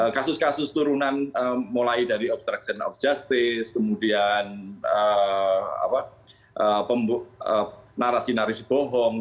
kasus kasus turunan mulai dari obstruction of justice kemudian narasi narasi bohong